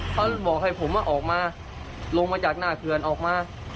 เขาบอกให้ผมออกมาลงมาจากหน้าเขื่อนออกมา